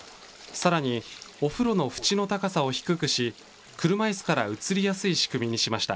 さらに、お風呂の縁の高さを低くし、車いすから移りやすい仕組みにしました。